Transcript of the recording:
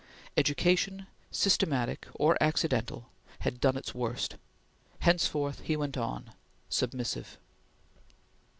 Education, systematic or accidental, had done its worst. Henceforth, he went on, submissive.